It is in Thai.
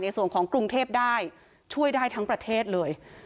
ของกรุงเทพได้ช่วยได้ทั้งประเทศเลย